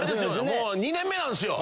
もう２年目なんですよ。